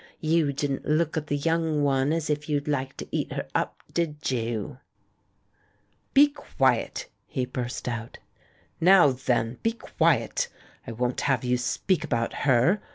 You didn't look at the young one as if you'd like to eat her up, did you?" "Be quiet!" he burst out. "Now, then, be quiet! I won't have you speak about her.